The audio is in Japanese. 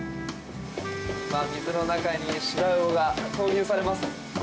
水の中にシラウオが投入されます。